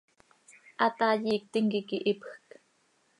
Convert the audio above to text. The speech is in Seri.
¡Hataai iictim quih iiqui hiipjc!